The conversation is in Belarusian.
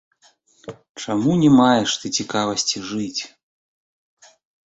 Чаму не маеш ты цікавасці жыць?